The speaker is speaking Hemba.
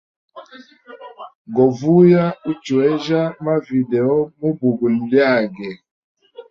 Go vuya uchwejya ma video mu bugo lyage.